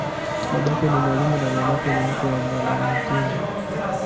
Babake ni mwalimu, na mamake ni mtu wa mwanamitindo.